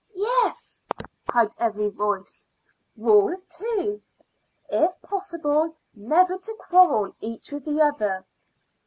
"Yes!" cried every voice. "Rule Two. If possible, never to quarrel each with the other."